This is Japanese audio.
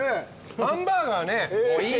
ハンバーガーね。